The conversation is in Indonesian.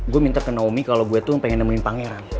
gue minta ke naomi kalo gue tuh pengen nemenin pangeran